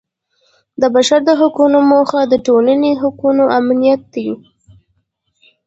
د بشر د حقونو موخه د ټولنې حقوقو امنیت دی.